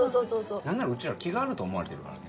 何ならうちら気があると思われてるからね。